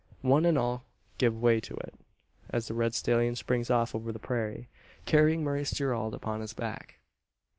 One and all give way to it, as the red stallion springs off over the prairie, carrying Maurice Gerald upon his back.